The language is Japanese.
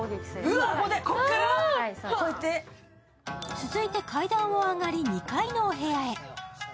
続いて階段を上がり２階のお部屋へ。